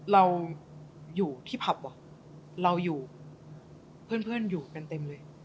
เราอยู่ที่ผับว่ะเราอยู่เพื่อนอยู่กันเต็มเลย